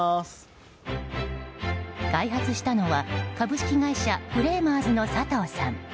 開発したのは株式会社フレーマーズの佐藤さん。